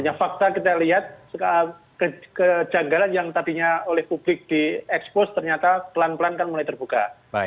hanya fakta kita lihat kejanggalan yang tadinya oleh publik diekspos ternyata pelan pelan kan mulai terbuka